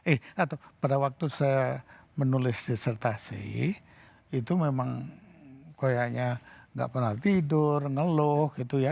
eh pada waktu saya menulis disertasi itu memang kayaknya nggak pernah tidur ngeluh gitu ya